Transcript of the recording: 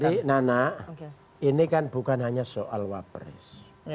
jadi nana ini kan bukan hanya soal wapres